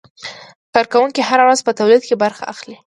کارکوونکي هره ورځ په تولید کې برخه اخلي.